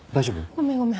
ごめんごめん。